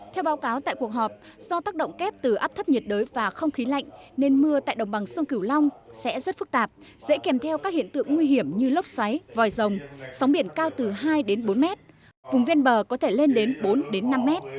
theo báo cáo tại cuộc họp do tác động kép từ áp thấp nhiệt đới và không khí lạnh nên mưa tại đồng bằng sông cửu long sẽ rất phức tạp dễ kèm theo các hiện tượng nguy hiểm như lốc xoáy vòi rồng sóng biển cao từ hai đến bốn mét vùng ven bờ có thể lên đến bốn năm mét